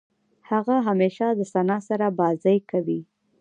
هغه همېشه د ثنا سره بازۍ کوي.